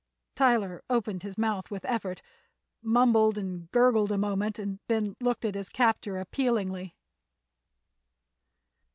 Tyler opened his mouth with effort, mumbled and gurgled a moment and then looked at his captor appealingly.